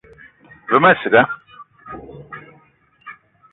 Ve ma ciga